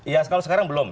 ya kalau sekarang belum